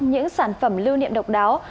những sản phẩm lưu niệm độc đáo